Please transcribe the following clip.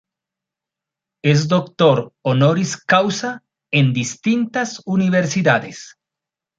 Es doctor "honoris causa" en distintas universidades.